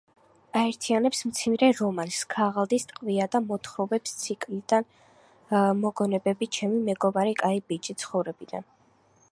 აერთიანებს მცირე რომანს „ქაღალდის ტყვია“ და მოთხრობებს ციკლიდან „მოგონებები ჩემი მეგობარი კაი ბიჭის ცხოვრებიდან“.